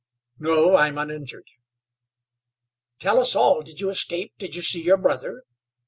"No, I'm uninjured." "Tell us all. Did you escape? Did you see your brother?